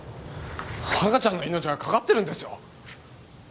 赤ちゃんの命がかかってるんですよ！？